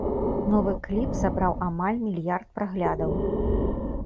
Новы кліп сабраў амаль мільярд праглядаў.